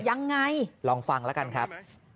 ยังไงลองฟังแล้วกันครับ